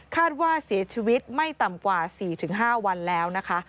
ว่าเสียชีวิตไม่ต่ำกว่า๔๕วันแล้วนะคะ